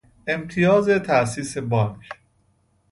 امتیاز تاسیس بانک